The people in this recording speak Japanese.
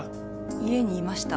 家にいました。